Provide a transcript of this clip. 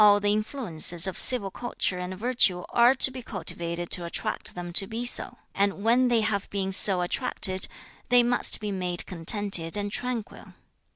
the influences of civil culture and virtue are to be cultivated to attract them to be so; and when they have been so attracted, they must be made contented and tranquil.